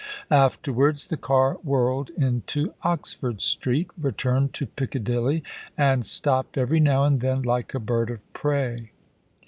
Afterwards the car whirled into Oxford Street, returned to Piccadilly, and stopped every now and then like a bird of prey.